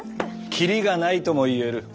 キリがないとも言える。